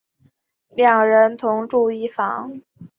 两人同住一房。